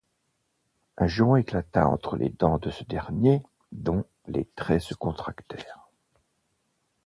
Un juron éclata entre les dents de ce dernier, dont les traits se contractèrent.